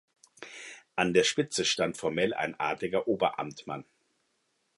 An der Spitze stand formell ein adliger Oberamtmann.